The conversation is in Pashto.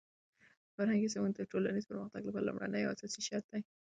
فرهنګي سمون د ټولنیز پرمختګ لپاره لومړنی او اساسی شرط دی.